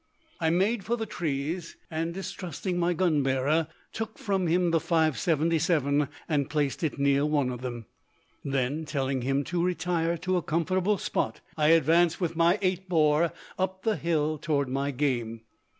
I made for the trees, and, distrusting my gun bearer, took from him the .577 and placed it near one of them. Then, telling him to retire to a comfortable spot, I advanced with my 8 bore up the hill toward my game.